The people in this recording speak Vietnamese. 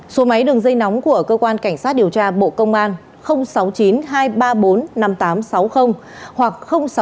số máy đường dây nóng của cơ quan cảnh sát điều tra bộ công an sáu mươi chín hai trăm ba mươi bốn năm nghìn tám trăm sáu mươi hoặc sáu mươi chín hai trăm ba mươi hai một nghìn sáu trăm bảy